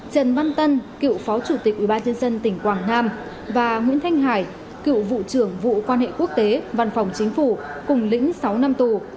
trần văn tân cựu phó chủ tịch ubnd tỉnh quảng nam và nguyễn thanh hải cựu vụ trưởng vụ quan hệ quốc tế văn phòng chính phủ cùng lĩnh sáu năm tù